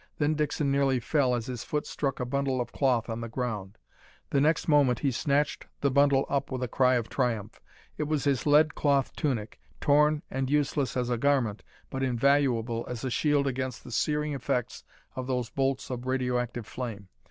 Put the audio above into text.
Then Dixon nearly fell as his foot struck a bundle of cloth on the ground. The next moment he snatched the bundle up with a cry of triumph. It was his lead cloth tunic, torn and useless as a garment, but invaluable as a shield against the searing effects of those bolts of radioactive flame.